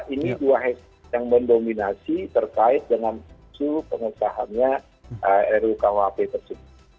ini dua hashtag yang mendominasi terkait dengan isu pengesahannya rukuhp tersebut